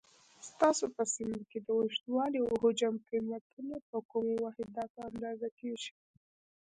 ستاسو په سیمه کې د اوږدوالي، او حجم کمیتونه په کومو واحداتو اندازه کېږي؟